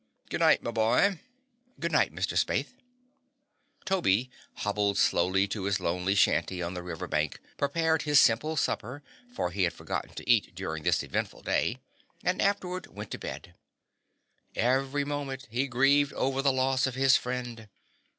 "Good night, my boy." "Good night, Mr. Spaythe." Toby hobbled slowly to his lonely shanty on the river bank, prepared his simple supper, for he had forgotten to eat during this eventful day, and afterward went to bed. Every moment he grieved over the loss of his friend.